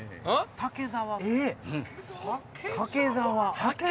竹沢。